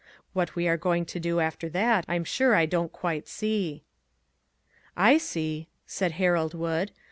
What we are going to do after that, I'm sure I don't quite see." " I see," said Harold Wood.